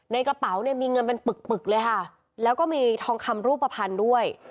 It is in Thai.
กระเป๋าเนี่ยมีเงินเป็นปึกปึกเลยค่ะแล้วก็มีทองคำรูปภัณฑ์ด้วย